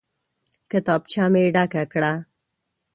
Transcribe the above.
کتابچه مې ډکه کړه.